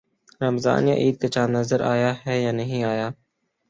رمضان یا عید کا چاند نظر آیا ہے یا نہیں آیا